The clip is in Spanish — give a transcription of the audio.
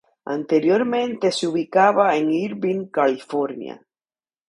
Anteriormente se ubicaba en Irvine, California.